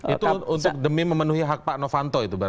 itu untuk demi memenuhi hak pak novanto itu berarti